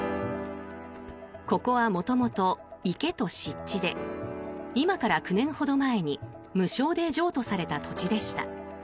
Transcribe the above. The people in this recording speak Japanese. ここは元々、池と湿地で今から９年ほど前に無償で譲渡された土地でした。